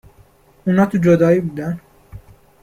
اونا تو جدایی بودن